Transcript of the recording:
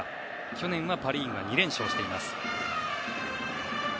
去年はパ・リーグが２連勝しています。